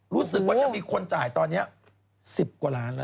รู้สึกว่าจะมีคนจ่ายตอนนี้๑๐กว่าล้านแล้ว